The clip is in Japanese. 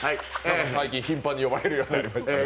最近頻繁に呼ばれるようになりましたね。